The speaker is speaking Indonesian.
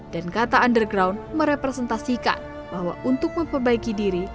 dan kata underground merepresentasikan bahwa untuk memperbaiki diri